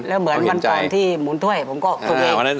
แล้วเหมือนวันก่อนที่หมุนถ้วยผมก็โอเค